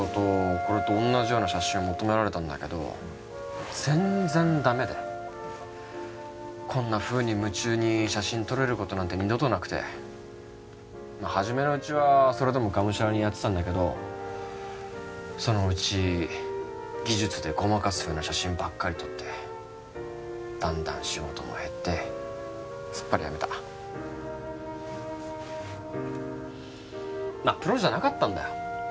これと同じような写真を求められたんだけど全然ダメでこんなふうに夢中に写真撮れることなんて二度となくてまあ初めのうちはそれでもがむしゃらにやってたんだけどそのうち技術でごまかすような写真ばっかり撮ってだんだん仕事も減ってすっぱりやめたまあプロじゃなかったんだよ